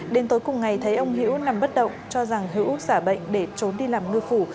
đến tối cùng ngày thấy ông hiễu nằm bất động cho rằng hữu xả bệnh để trốn đi làm ngư phủ